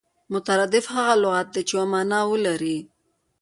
مترادف هغه لغت دئ، چي یوه مانا ولري.